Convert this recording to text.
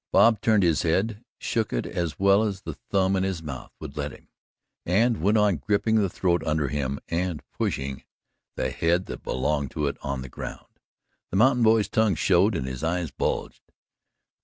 Bob turned his head, shook it as well as the thumb in his mouth would let him, and went on gripping the throat under him and pushing the head that belonged to it into the ground. The mountain boy's tongue showed and his eyes bulged.